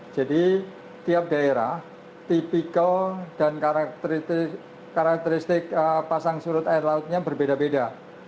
jadi tiap daerah tipikal dan karakteristik pasang surut air lautnya berbeda beda